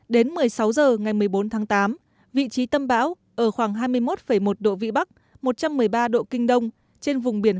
đến một mươi sáu h ngày một mươi bốn tháng tám vị trí tâm bão ở khoảng hai mươi một một độ vĩ bắc một trăm một mươi ba độ kinh đông trên vùng biển